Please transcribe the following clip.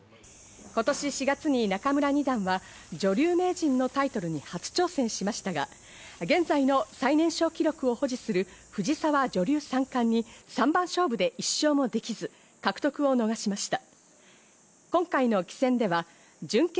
今年４月に仲邑二段は女流名人のタイトルに初挑戦しましたが、現在の最年少記録を保持する藤沢女流三冠に三番勝負で１勝もできず獲得を逃しました。